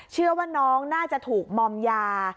เชื่อว่าน้องน่าจะถูกมอมยา